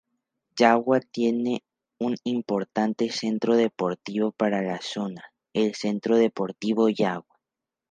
Yagua tiene un importante centro deportivo para la zona, el Centro Deportivo Yagua.